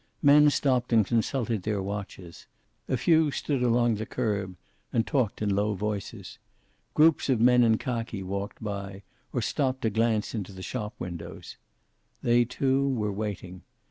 Men stopped and consulted their watches. A few stood along the curb, and talked in low voices. Groups of men in khaki walked by, or stopped to glance into the shop windows. They, too, were waiting.